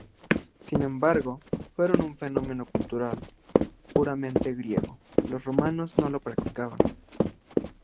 Sin embargo, fueron un fenómeno cultural puramente griego, los romanos no las practicaron.